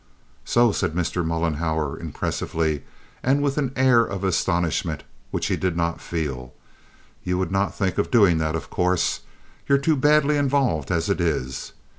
"So!" said Mr. Mollenhauer, impressively, and with an air of astonishment which he did not feel. "You would not think of doing that, of course. You're too badly involved as it is.